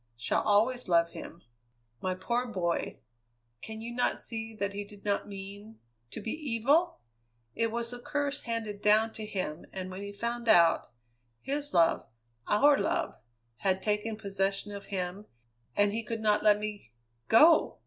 Shall always love him, my poor boy! Can you not see that he did not mean to be evil? It was the curse handed down to him, and when he found out his love, our love, had taken possession of him, and he could not let me go!